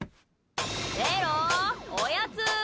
メロ、おやつ！